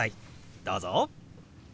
どうぞ。